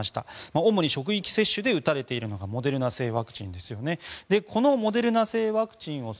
主に職域接種で打たれているのがモデルナ製ワクチンですね。